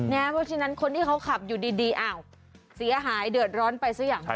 เพราะฉะนั้นคนที่เขาขับอยู่ดีอ้าวเสียหายเดือดร้อนไปซะอย่างนั้น